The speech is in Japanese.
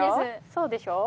そうでしょ？